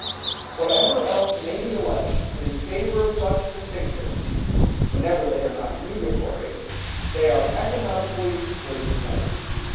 Whatever else may be alleged in favor of such distinctions, whenever they are not nugatory, they are economically wasteful.